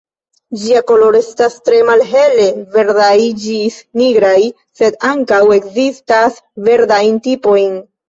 Ĝia koloro estas tre malhele verdaj ĝis nigraj, sed ankaŭ ekzistas verdajn tipojn.